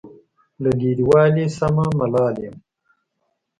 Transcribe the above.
له لرې والي سمه ملال یم.